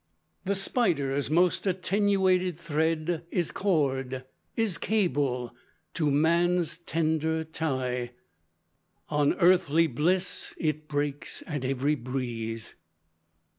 "The spider's most attenuated thread Is cord, is cable, to man's tender tie On earthly bliss it breaks at every breeze."